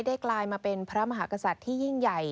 กลายมาเป็นพระมหากษัตริย์ที่ยิ่งใหญ่